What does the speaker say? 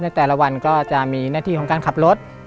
แต่ละวันก็จะมีหน้าที่ของการขับรถ